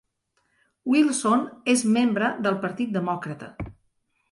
Wilson és membre del Partit Demòcrata.